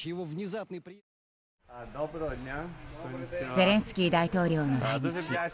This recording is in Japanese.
ゼレンスキー大統領の来日。